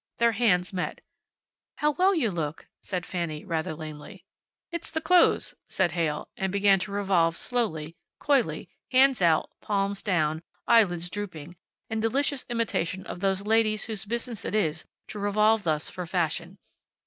Their hands met. "How well you look," said Fanny, rather lamely. "It's the clothes," said Heyl, and began to revolve slowly, coyly, hands out, palms down, eyelids drooping, in delicious imitation of those ladies whose business it is to revolve thus for fashion.